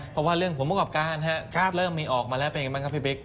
เพราะว่าเรื่องผลประกอบการเริ่มมีออกมาแล้วเป็นอย่างไรบ้างครับพี่บิ๊ก